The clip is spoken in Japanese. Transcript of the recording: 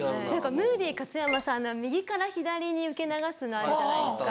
ムーディ勝山さんの右から左に受け流すのあるじゃないですか。